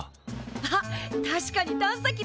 あっ確かに探査機だ！